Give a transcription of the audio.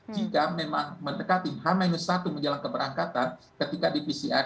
jika memang mendekati h satu menjelang keberangkatan ketika di pcr